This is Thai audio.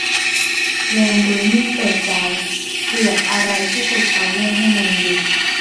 เวย์น รูนี่ย์ เปิดใจ เกลียดอะไรที่สุดตอนเล่นให้ แมนยู